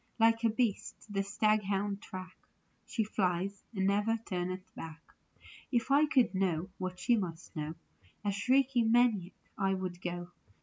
Like a beast the staghounds track She flies, and never turneth back. If I could know what she must know A shrieking maniac I would go.